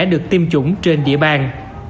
được tiêm chủng trên địa bàn